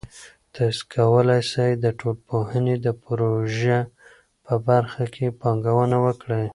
تاسې کولای سئ د ټولنپوهنې د پروژه په برخه کې پانګونه وکړئ.